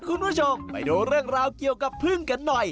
คุณผู้ชมไปดูเรื่องราวเกี่ยวกับพึ่งกันหน่อย